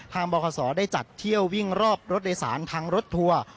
บคศได้จัดเที่ยววิ่งรอบรถโดยสารทางรถทัวร์